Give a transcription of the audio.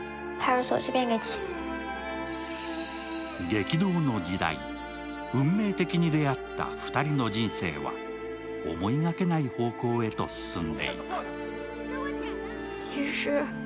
激動の時代、運命的に出会った２人の人生は思いがけない方向へと進んでいく。